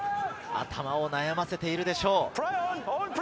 頭を悩ませているでしょう。